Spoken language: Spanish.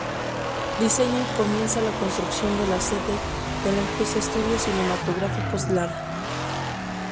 Diseña y comienza la construcción de la sede de la empresa Estudios Cinematográficos Lara.